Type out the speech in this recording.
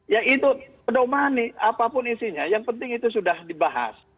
ya itu pedomani apapun isinya yang penting itu sudah dibahas